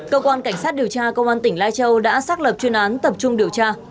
cơ quan cảnh sát điều tra công an tỉnh lai châu đã xác lập chuyên án tập trung điều tra